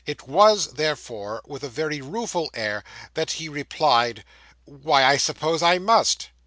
It was, therefore, with a very rueful air that he replied 'Why, I suppose I must.